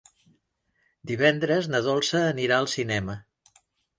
Divendres na Dolça anirà al cinema.